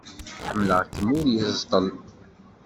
Ḥemmleɣ-kem ul yeẓṭel.